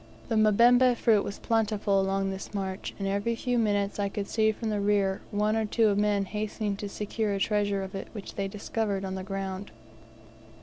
The mbemba fruit was plentiful along this march, and every few minutes I could see from the rear one or two men hastening to secure a treasure of it which they discovered on the ground.